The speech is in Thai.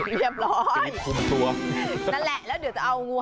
พี่พินโย